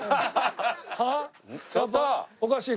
おかしい。